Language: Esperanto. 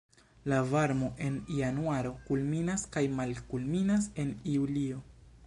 La varmo en januaro kulminas kaj malkulminas en julio.